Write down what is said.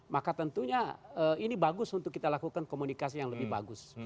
maka tentunya ini bagus untuk kita lakukan komunikasi yang lebih bagus